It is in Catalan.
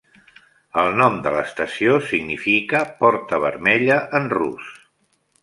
El nom de l'estació significa "Porta Vermella" en rus.